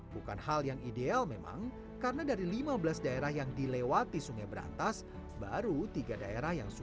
bukan hal yang ideal memang karena dari lima belas daerah yang dilewati sungai berantas baru tiga daerah yang sudah